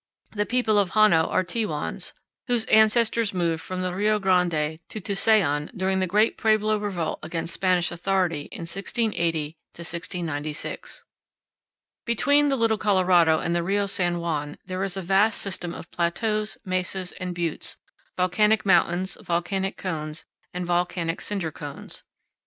The people of Hano are Tewans, whose ancestors moved from the Rio Grande to Tusayan during the great Pueblo revolt against Spanish authority in 1680 96. Between the Little Colorado and the Rio San Juan there is a vast system of plateaus, mesas, and buttes, volcanic mountains, volcanic cones, and volcanic cinder cones.